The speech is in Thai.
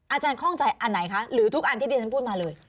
อาจารย์ค่องใจอันไหนคะหรือทุกอันที่เดี๋ยวฉันพูดมาเลย